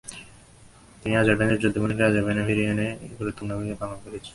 তিনি আজারবাইজানের যুদ্ধবন্দীদেরকে আজারবাইজানে ফিরিয়ে আনতে গুরুত্বপূর্ণ ভূমিকা পালন করেছিলেন।